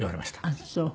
あっそう。